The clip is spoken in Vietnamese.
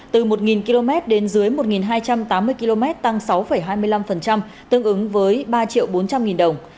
từ một km đến dưới một hai trăm tám mươi km tăng sáu hai mươi năm tương ứng với ba bốn trăm linh nghìn đồng